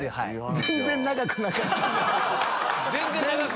全然長くなかったよ。